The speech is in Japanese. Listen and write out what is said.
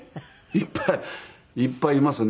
いっぱいいっぱいいますね。